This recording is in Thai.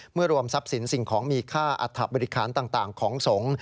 รวมทรัพย์สินสิ่งของมีค่าอัฐบริคารต่างของสงฆ์